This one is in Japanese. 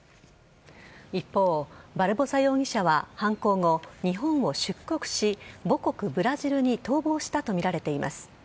一方、バルボサ容疑者は犯行後日本を出国し母国・ブラジルに逃亡したとみられています。